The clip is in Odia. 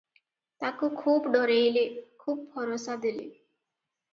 ତାକୁ ଖୁବ୍ ଡରେଇଲେ, ଖୁବ୍ ଭରସା ଦେଲେ ।